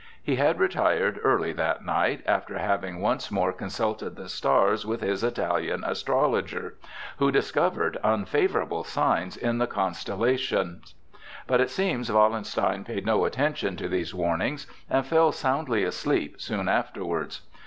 He had retired early that night, after having once more consulted the stars with his Italian astrologer, who discovered unfavorable signs in the constellations. But it seems Wallenstein paid no attention to these warnings, and fell soundly asleep soon afterwards.